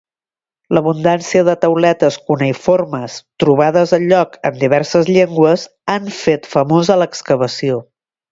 L'abundància de tauletes cuneïformes trobades al lloc, en diverses llengües, han fet famosa l'excavació.